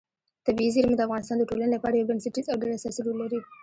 طبیعي زیرمې د افغانستان د ټولنې لپاره یو بنسټیز او ډېر اساسي رول لري.